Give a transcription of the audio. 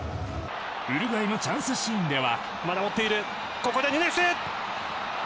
ウルグアイのチャンスシーンでは。